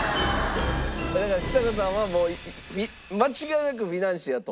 だからちさ子さんはもう間違いなくフィナンシェやと？